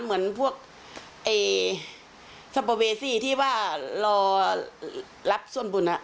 เหมือนพวกสัมปเวซี่ที่ว่ารอรับส่วนบุญ